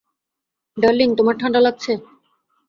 Darling, তোমরা ঠাণ্ডা লাগছে?